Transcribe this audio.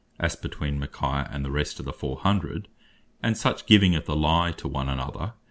as between Michaiah, and the rest of the four hundred; and such giving of the Lye to one another, (as in Jerem.